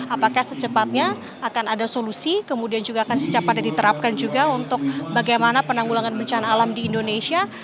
apakah secepatnya akan ada solusi kemudian juga akan secepat pada diterapkan juga untuk bagaimana penanggulangan bencana alam di indonesia